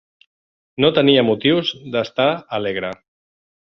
No tenia motius d'estar alegre